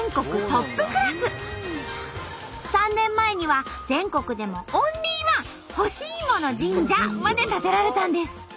３年前には全国でもオンリーワン干しいもの神社まで建てられたんです。